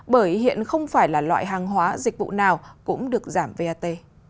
bởi hiện không phải là loại hàng hóa dịch vụ nào cũng được giảm vat